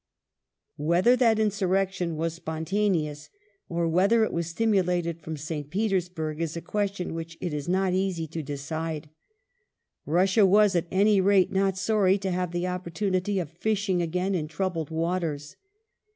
Whether that insurrrection was spontaneous, or whether it was Attitude of stimulated from St. Petersburg, is a question which it is not easy to Russia decide. Russia was, at any rate, not son y to have the opportunity of fishing again in troubled waters.